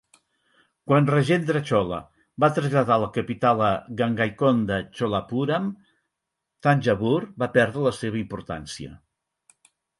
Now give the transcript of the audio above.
Quan Rajendra Chola va traslladar la capital a Gangaikonda Cholapuram, Thanjavur va perdre la seva importància.